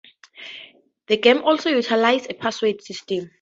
The game also utilizes a password system.